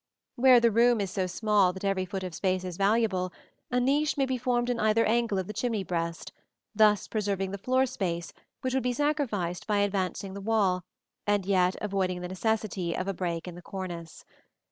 Where the room is so small that every foot of space is valuable, a niche may be formed in either angle of the chimney breast, thus preserving the floor space which would be sacrificed by advancing the wall, and yet avoiding the necessity of a break in the cornice.